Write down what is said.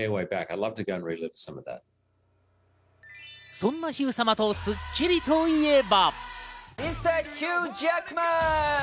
そんなヒュー様と『スッキリ』といえば。